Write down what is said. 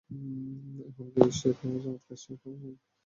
এমনকি এই শেফ, এই চমৎকার শেফ, হাওয়ায় মিলিয়ে যাওয়ার পরেও।